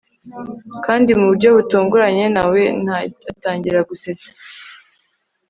kandi mu buryo butunguranye na we atangira gusetsa